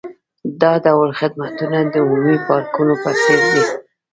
دا ډول خدمتونه د عمومي پارکونو په څیر دي